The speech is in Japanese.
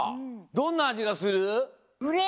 どんな味がする？